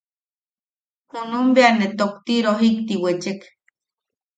Junum bea ne tokti rojikti wechek.